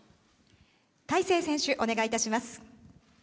大勢選手、お願いいたします。